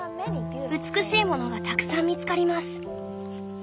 美しいものがたくさん見つかります」。